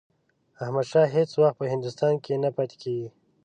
احمدشاه هیڅ وخت په هندوستان کې نه پاتېږي.